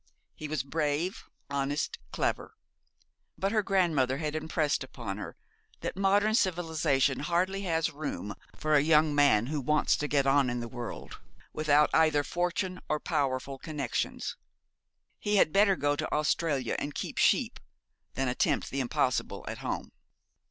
He was brave, honest, clever; but her grandmother had impressed upon her that modern civilisation hardly has room for a young man who wants to get on in the world, without either fortune or powerful connexions. He had better go to Australia and keep sheep, than attempt the impossible at home.